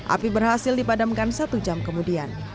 api berhasil dipadamkan satu jam kemudian